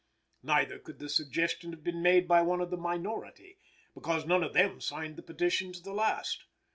Neither could the suggestion have been made by one of the minority, because none of them signed the petition to the last.